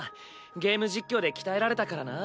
ゲーム実況で鍛えられたからな。